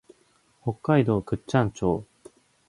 北海道倶知安町